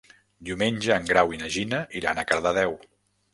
Diumenge en Grau i na Gina iran a Cardedeu.